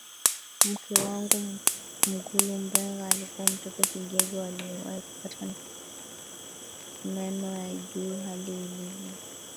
mke wake Mngulu Mbegha alikuwa mtoto kigego aliyewahi kupata meno ya juu hali iliyo